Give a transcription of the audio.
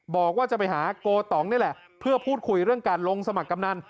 บอกว่าจะไปหาโกตองนี่แหละเพื่อพูดคุยเรื่องการลงสมัครกำนัน